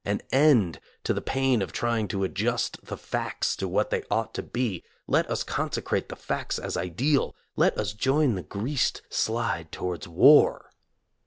An end to the pain of trying to adjust the facts to what they ought to be ! Let us consecrate the facts as ideal! Let us join the greased slide towards war!